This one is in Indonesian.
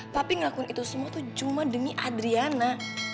tapi ngelakuin itu semua tuh cuma demi adriana